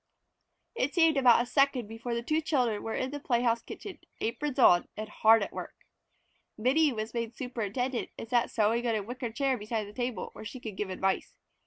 It seemed about a second before the two children were in the playhouse kitchen, aprons on, and hard at work. Minnie was made superintendent and sat sewing in a wicker chair beside the table, where she could give advice.